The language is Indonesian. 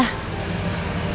ibu sarah ya